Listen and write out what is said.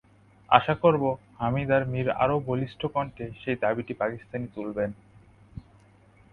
আশা করব, হামিদ মির আরও বলিষ্ঠ কণ্ঠে সেই দাবিটি পাকিস্তানে তুলবেন।